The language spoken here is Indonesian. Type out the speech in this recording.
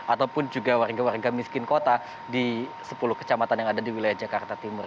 ataupun juga warga warga miskin kota di sepuluh kecamatan yang ada di wilayah jakarta timur